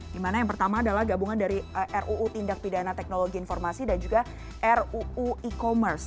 dimana yang pertama adalah gabungan dari ruu tindak pidana teknologi informasi dan juga ruu e commerce